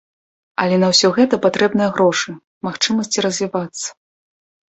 Але на ўсё гэта патрэбныя грошы, магчымасці развівацца.